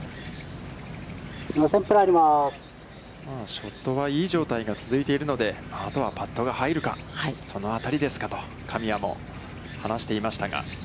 ショットはいい状態が続いているので、あとはパットが入るか、そのあたりですかと、神谷も話していましたが。